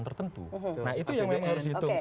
tertentu nah itu yang memang harus dihitung